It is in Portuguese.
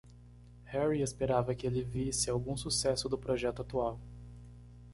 Harry esperava que ele visse algum sucesso do projeto atual.